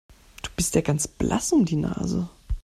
Du bist ja ganz blass um die Nase.